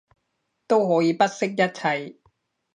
都可以不惜一切